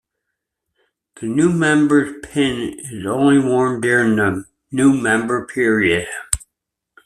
The new members pin is only worn during the new member period.